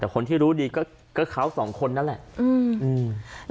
แต่คนที่รู้ดีก็เขาสองคนนั่นแหละ